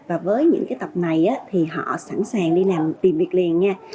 và với những cái tập này thì họ sẵn sàng đi làm tìm việc liền nha